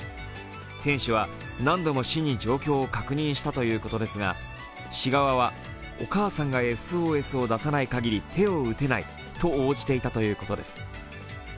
店主は、何度も市に状況を確認したということですが市側はお母さんがＳＯＳを出さないかぎり手を打てないと応じていたということです。